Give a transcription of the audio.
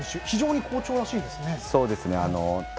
非常に好調らしいですね。